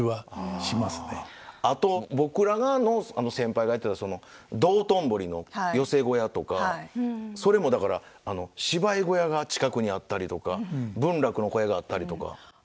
あと僕らの先輩がやってたその道頓堀の寄席小屋とかそれもだから芝居小屋が近くにあったりとか文楽の小屋があったりとか。